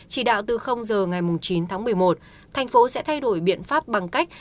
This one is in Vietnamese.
chỉ đạo từ giờ ngày chín tháng một mươi một thành phố sẽ thay đổi biện pháp bằng cách